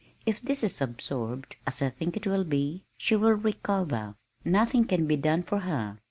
If this is absorbed, as I think it will be, she will recover. Nothing can be done for her.